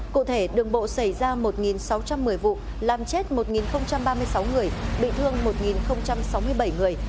cụ thể đường bộ xảy ra một sáu trăm một mươi vụ làm chết một ba mươi sáu người bị thương một sáu mươi bảy người